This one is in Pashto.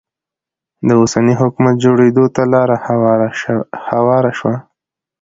د اوسني حکومت جوړېدو ته لاره هواره شوه.